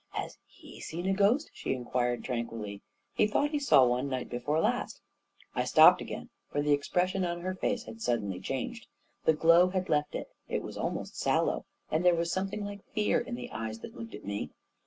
" Has he seen a ghost? " she inquired tranquilly. 11 He thought he saw one night before last ..." I stopped again, for the expression of her face had suddenly changed. The glow had left it — it was almost sallow — and there was something like fear in the eyes that looked at me.